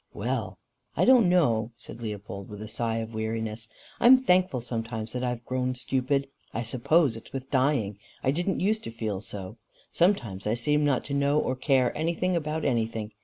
"Well! I don't know," said Leopold, with a sigh of weariness. "I'm thankful sometimes that I've grown stupid. I suppose it's with dying. I didn't use to feel so. Sometimes I seem not to know or care anything about anything.